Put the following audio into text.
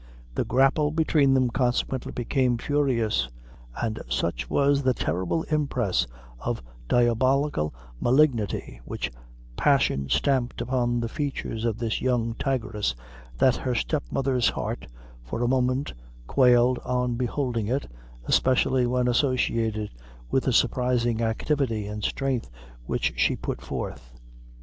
The grapple between them consequently became furious; and such was the terrible impress of diabolical malignity which passion stamped upon the features of this young tigress, that her step mother's heart, for a moment quailed on beholding it, especially when associated with the surprising activity and strength which she put forth.